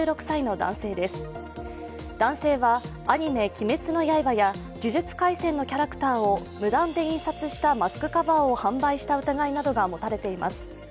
男性はアニメ「鬼滅の刃」や「呪術廻戦」のキャラクターを無断で印刷したマスクカバーを販売した疑いなどがもたれています。